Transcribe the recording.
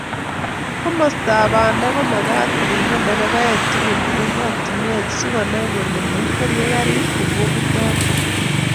Komostab banda komagat kopiman nderebaek tugul eng oratinwek si konai kole maikwerie garit kobokitotin